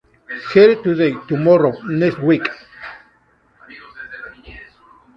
Here Today, Tomorrow, Next Week!